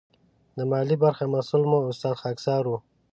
د مالي برخې مسؤل مو استاد خاکسار و.